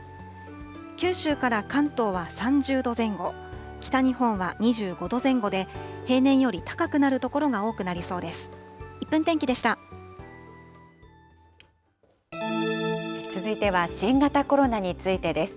九州から関東は３０度前後、北日本は２５度前後で、平年より高くなる所が多くなりそうです。